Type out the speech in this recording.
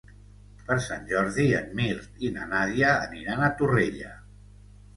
Per Sant Jordi en Mirt i na Nàdia aniran a Torrella.